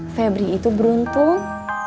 febri itu beruntung